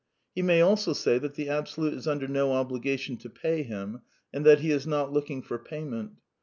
He may also say that the Absolute is under no obligation to pay him, and that he is not looking for payment.